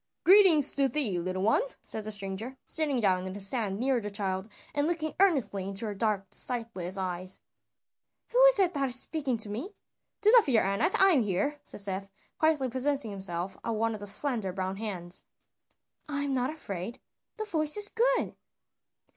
"Greetings to thee, little one!" said the stranger, sitting down in the sand near the child and looking earnestly into her dark sightless eyes. "Who is it that is speaking to me?" "Do not fear, Anat, I am here," said Seth, quietly possessing himself of one of the slender brown hands. "I am not afraid; the voice is good."